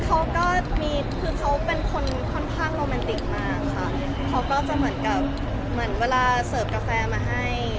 เขาก็มีคือเขาเป็นคนค่อนข้างโรแมนติกมากค่ะเขาก็จะเหมือนกับเหมือนเวลาเสิร์ฟกาแฟมาให้